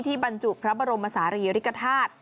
ที่บรรจุพระบรมศาลีริกฐาศ